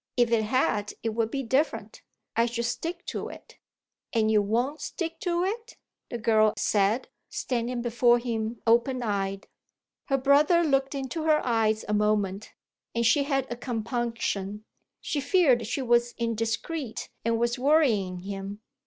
If it had it would be different. I should stick to it." "And you won't stick to it?" the girl said, standing before him open eyed. Her brother looked into her eyes a moment, and she had a compunction; she feared she was indiscreet and was worrying him.